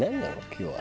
今日は。